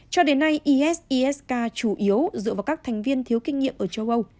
cho đến nay isis k chủ yếu dựa vào các thành viên thiếu kinh nghiệm ở châu âu